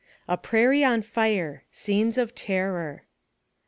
A PRAIRIE ON FIRE SCENES OF TERROR.